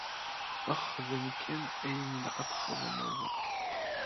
Xdem kan ayen ilaq ad txedmeḍ.